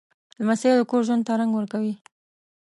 لمسی د کور ژوند ته رنګ ورکوي.